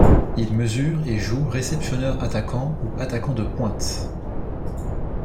Il mesure et joue réceptionneur-attaquant ou attaquant de pointe.